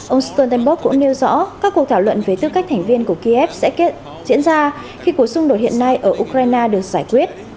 ông stoltenberg cũng nêu rõ các cuộc thảo luận về tư cách thành viên của kiev sẽ diễn ra khi cuộc xung đột hiện nay ở ukraine được giải quyết